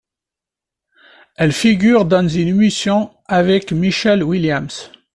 Elle figure dans une émission avec Michelle Williams.